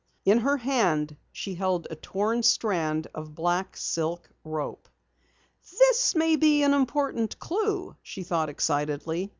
In her hand she held a torn strand of black silk rope. "This may be an important clue!" she thought excitedly.